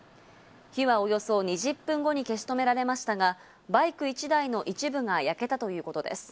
火はおよそ２０分後に消し止められましたが、バイク１台の一部が焼けたということです。